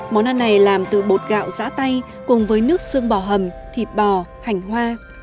món ăn này làm từ bột gạo giã tay cùng với nước xương bò hầm thịt bò hành hoa